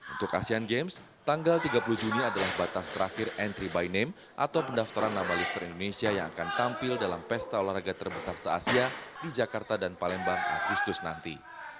untuk asean games tanggal tiga puluh juni adalah batas terakhir entry by name atau pendaftaran nama lifter indonesia yang akan tampil dalam pesta olahraga terbesar se asia di jakarta dan palembang agustus nanti